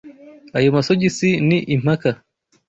Aya masogisi ni impaka.